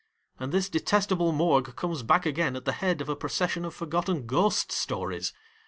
And this detestable Morgue comes back again at the head of a procession of for gotten ghost stories.